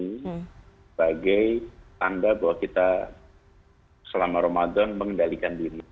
sebagai tanda bahwa kita selama ramadan mengendalikan diri